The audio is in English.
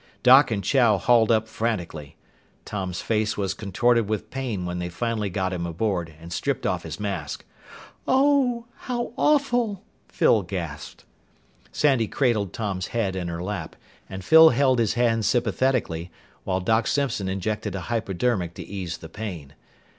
Doc and Chow hauled up frantically. Tom's face was contorted with pain when they finally got him aboard and stripped off his mask. "Oh! How awful!" Phyl gasped. Sandy cradled Tom's head in her lap, and Phyl held his hand sympathetically, while Doc Simpson injected a hypodermic to ease the pain.